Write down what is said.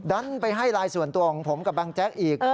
ดันไปให้ไลน์ส่วนตัวของผมกับบางแจ๊กอีก